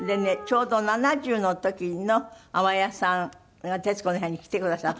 ちょうど７０の時の淡谷さんが『徹子の部屋』に来てくださってるんです。